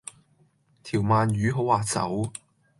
條鰻魚好滑手